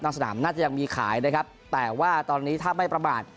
สนามน่าจะยังมีขายนะครับแต่ว่าตอนนี้ถ้าไม่ประมาท